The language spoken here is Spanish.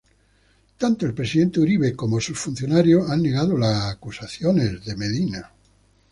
Tanto el Presidente Uribe como sus funcionarios han negado las acusaciones de Medina.